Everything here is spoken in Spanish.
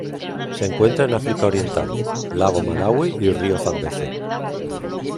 Se encuentran en África Oriental: lago Malawi y río Zambeze.